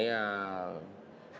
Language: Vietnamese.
những cái hồng ngoại